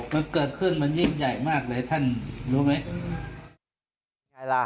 มันเกิดขึ้นมันยิ่งใหญ่มากเลยท่านรู้ไหม